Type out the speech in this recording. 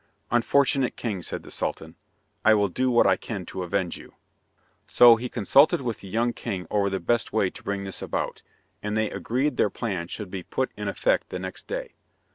"Unfortunate king," said the Sultan, "I will do what I can to avenge you." So he consulted with the young king over the best way to bring this about, and they agreed their plan should be put in effect the next day.